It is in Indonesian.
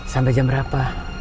sampai jam berapa